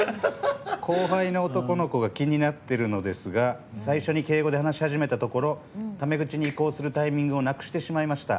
後輩の男の子が気になってるのですが最初に敬語で話し始めたところタメ口に以降するタイミングをなくしてしまいました。